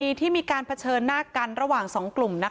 ที่มีการเผชิญหน้ากันระหว่าง๒กลุ่ม